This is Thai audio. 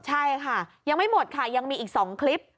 ใช่ค่ะยังไม่หมดค่ะยังมีอีก๒คลิป